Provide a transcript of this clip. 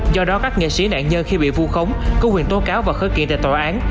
do đó các nghệ sĩ nạn nhân khi bị vu khống có quyền tố cáo và khởi kiện tại tòa án